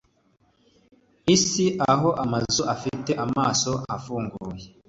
isi aho amazu afite amaso afunguye